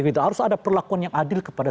gitu harus ada perlakuan yang adil kepada